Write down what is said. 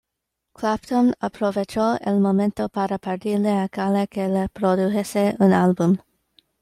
Clapton aprovechó el momento para pedirle a Cale que le produjese un álbum.